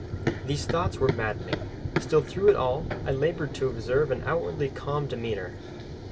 These thoughts were maddening, still through it all I laboured to observe an outwardly calm demeanour.